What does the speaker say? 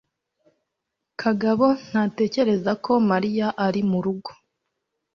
kagabo ntatekereza ko mariya ari murugo